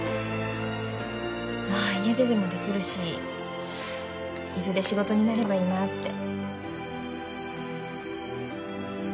まあ家ででもできるしいずれ仕事になればいいなって。